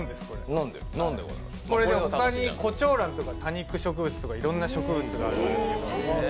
他にもコチョウランとか、多肉植物とかいろんな植物があるんですけど。